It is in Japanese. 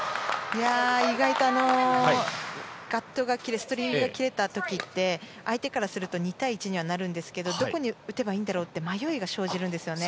意外とガットが切れたストリングスが切れた時って相手からすると２対１にはなるんですけどどこに打てばいいんだろうって迷いが生じるんですね。